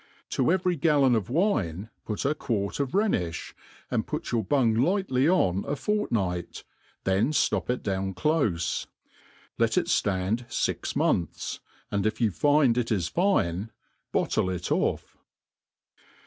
To evei'y galloaof wine put a quart of Rhenifli, and put your bung ligMly on a fortpi^bt, then ftop it down clofe. Let It ftand fix manthss and if yoti find it is fine, bottle it off.